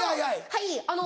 はいあの。